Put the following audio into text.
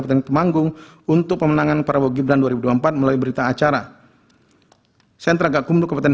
pemanggung untuk pemenangan prabowo gibran dua ribu empat melalui berita acara sentra gakumdu kebetulan